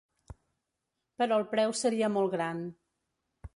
Però el preu seria molt gran.